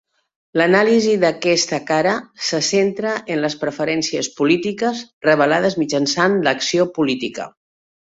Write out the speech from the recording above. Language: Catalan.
L'anàlisi d'aquesta "cara" se centra en les preferències polítiques revelades mitjançant l'acció política.